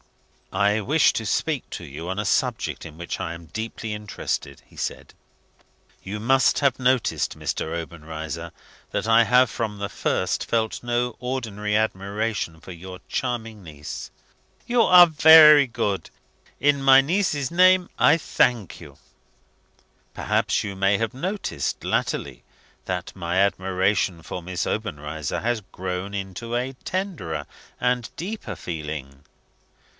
"I wish to speak to you on a subject in which I am deeply interested," he said. "You must have observed, Mr. Obenreizer, that I have, from the first, felt no ordinary admiration for your charming niece?" "You are very good. In my niece's name, I thank you." "Perhaps you may have noticed, latterly, that my admiration for Miss Obenreizer has grown into a tenderer and deeper feeling